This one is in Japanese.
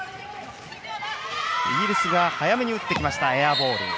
イギリスが早めに打ってきましたがエアボール。